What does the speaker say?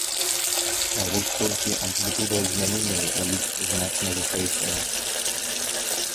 Вось толькі амплітуда змяненняў у іх значна вышэйшая.